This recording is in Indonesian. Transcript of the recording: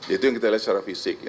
itu yang kita lihat secara fisik ya